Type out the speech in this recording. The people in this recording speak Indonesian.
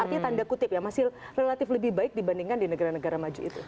artinya tanda kutip ya masih relatif lebih baik dibandingkan di negara negara maju itu